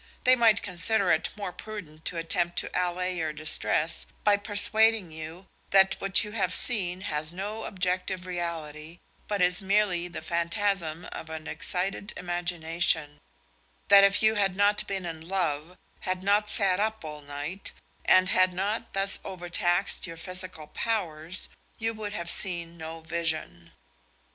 They might consider it more prudent to attempt to allay your distress by persuading you that what you have seen has no objective reality, but is merely the phantasm of an excited imagination; that if you had not been in love, had not sat up all night, and had not thus overtaxed your physical powers, you would have seen no vision.